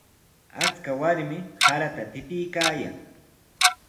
Achka warmi sarata tipiykaayan.